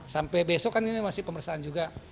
sampai besok kan ini masih pemeriksaan juga